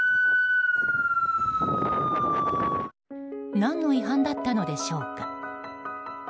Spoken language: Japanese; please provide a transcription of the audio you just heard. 何の違反だったのでしょうか。